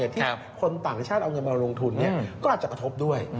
ที่คนต่างชาติเอาเงินมาลงทุนก็อาจจะกระทบด้วย